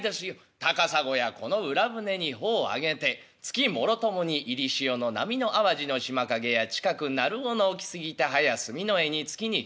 『高砂やこの浦舟に帆を上げて月もろともに入り潮の波の淡路の島影や近く鳴尾の沖過ぎてはやすみのえに着きにけり』と。